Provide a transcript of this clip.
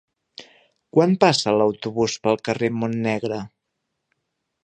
Quan passa l'autobús pel carrer Montnegre?